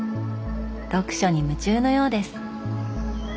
読書に夢中のようです。